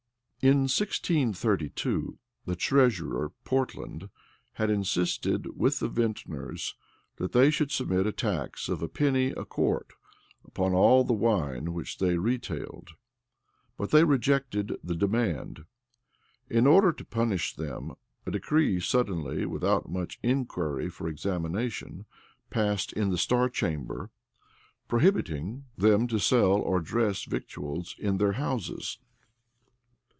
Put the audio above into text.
* Rush. voL ii. p. 803, etc. Whittocke, p. 25. Rush. vol. ii. p. 416. In 1632, the treasurer Portland had insisted with the vintners, that they should submit to a tax of a penny a quart upon all the wine which they retailed; but they rejected the demand, In order to punish them, a decree suddenly, without much inquiry or examination, passed in the star chamber, prohibiting them to sell or dress victuals in their houses.